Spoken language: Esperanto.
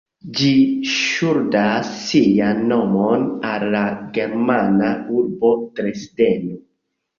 Ĝi ŝuldas sian nomon al la germana urbo Dresdeno.